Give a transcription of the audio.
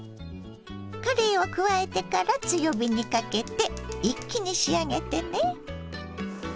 かれいを加えてから強火にかけて一気に仕上げてね。